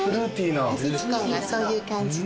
果実香がそういう感じで。